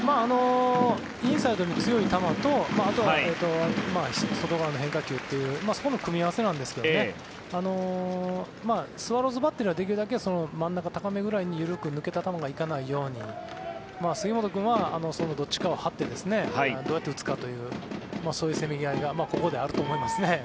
インサイドに強い球とあとは外側の変化球というそこの組み合わせなんですけどスワローズバッテリーはできるだけ真ん中高めくらいに緩く抜けた球が行かないように杉本君は、そのどっちかを張ってどうやって打つかというそういうせめぎ合いがここであると思いますね。